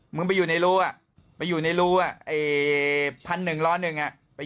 มึงไปอยู่ในรูอ่ะไปอยู่ในรูอ่ะไอ้พันหนึ่งล้อหนึ่งอ่ะ